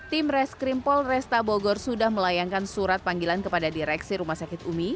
tim reskrim polresta bogor sudah melayangkan surat panggilan kepada direksi rumah sakit umi